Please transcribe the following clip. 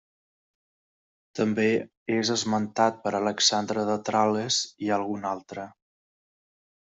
També és esmentat per Alexandre de Tral·les i algun altre.